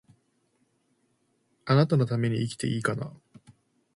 貴方のために生きていいかな